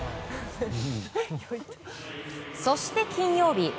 そして金曜日。